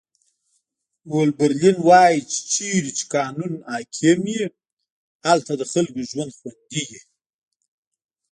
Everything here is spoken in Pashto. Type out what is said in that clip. هولډرلین وایي چې چیرته چې قانون حاکم وي هلته د خلکو ژوند خوندي وي.